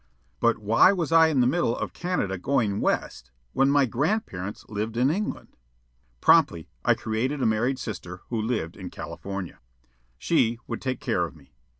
But why was I in the middle of Canada going west, when my grandparents lived in England? Promptly I created a married sister who lived in California. She would take care of me.